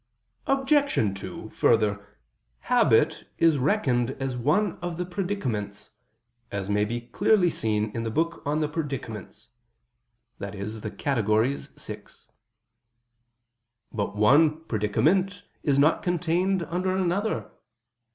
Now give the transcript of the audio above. Obj. 2: Further, habit is reckoned as one of the predicaments; as may be clearly seen in the Book on the Predicaments (Categor. vi). But one predicament is not contained under another.